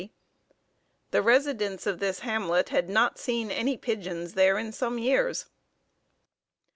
The residents of this hamlet had not seen any pigeons there before in some years.